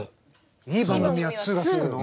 いい番組は２が付くの？